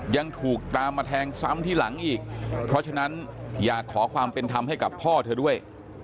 ยังถูกตามมาแทงซ้ำที่หลังอีกเพราะฉะนั้นอยากขอความเป็นธรรมให้กับพ่อเธอด้วย